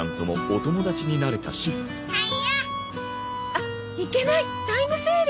あっいけないタイムセール！